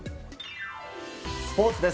スポーツです。